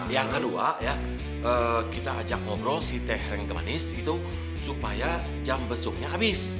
yang kedua kita ajak ngobrol si teh rengganis itu supaya jam besuknya habis